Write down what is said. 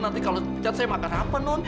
nanti kalau dipecat saya makan apa non